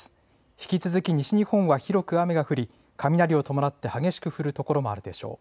引き続き西日本は広く雨が降り雷を伴って激しく降る所もあるでしょう。